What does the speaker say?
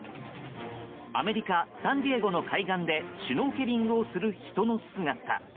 アメリカ・サンディエゴの海岸でシュノーケリングをする人の姿。